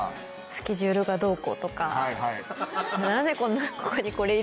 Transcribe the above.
スケジュールがどうこうとか。とかハハっ！